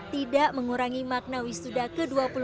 tidak mengurangi makna wisuda ke dua puluh dua